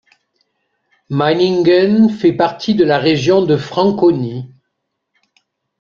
Meiningen fait partie de la région de Franconie.